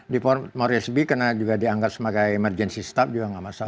di port morrisby karena juga dianggap sebagai emergency staff juga gak masalah